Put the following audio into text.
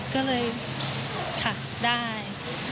ก็เลยค่ะได้